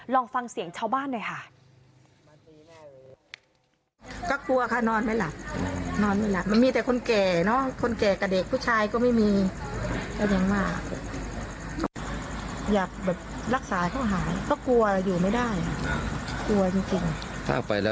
ลองฟังเสียงชาวบ้านหน่อยค่ะ